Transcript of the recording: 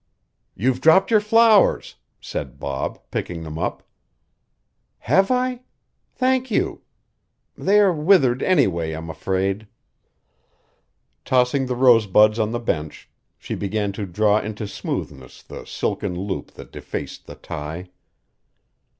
"You've dropped your flowers," said Bob, picking them up. "Have I? Thank you. They are withered, anyway, I'm afraid." Tossing the rosebuds on the bench, she began to draw into smoothness the silken loop that defaced the tie.